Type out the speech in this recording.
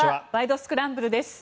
スクランブル」です。